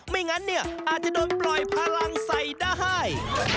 ไม่งั้นเนี่ยอาจจะโดนปล่อยพลังใส่ได้